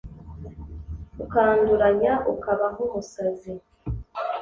Ukanduranya ukaba nk'umusazi